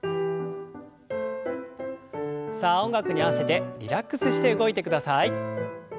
さあ音楽に合わせてリラックスして動いてください。